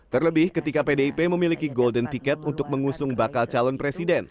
terlebih ketika pdip memiliki golden ticket untuk mengusung bakal calon presiden